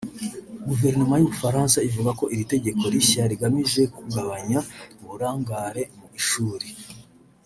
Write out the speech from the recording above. Guverinoma y’u Bufaransa ivuga ko iri tegeko rishya rigamije kugabanya uburangare mu ishuri